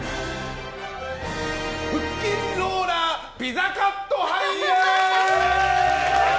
腹筋ローラーピザカット杯！